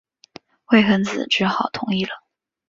魏桓子只好同意了。